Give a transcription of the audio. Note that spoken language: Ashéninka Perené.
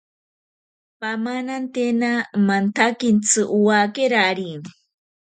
Pamanantena mantsakintsi owakerari.